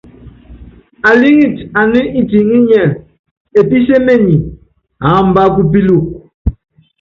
Alíŋitɛ aní itiŋí ɛ́ndɛnɛ́ɛ, epísémenyi, aamba kupíluku.